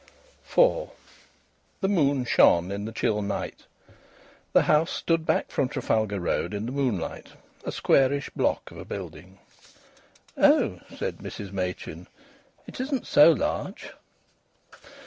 IV The moon shone in the chill night. The house stood back from Trafalgar Road in the moonlight a squarish block of a building. "Oh!" said Mrs Machin, "it isn't so large."